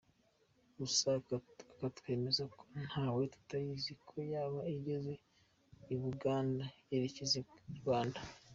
Gusa akatwemeza ko twe tutayizi ko yaba igeze i Buganda yerekeza i Rwanda.